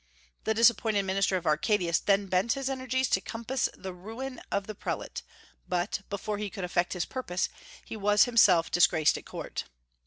The disappointed minister of Arcadius then bent his energies to compass the ruin of the prelate; but, before he could effect his purpose, he was himself disgraced at court.